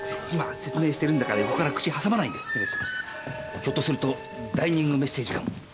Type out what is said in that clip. ひょっとすると「ダイニングメッセージ」かも。